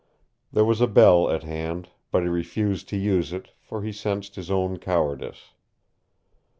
There was a bell at hand, but he refused to use it, for he sensed his own cowardice.